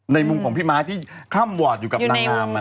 มุมของพี่ม้าที่ค่ำวอร์ดอยู่กับนางงาม